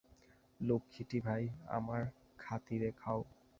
লক্ষ্মীটি ভাই, আমার খাতিরে খাও।